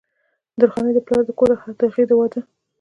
درخانۍ د پلار د کوره د هغې د وادۀ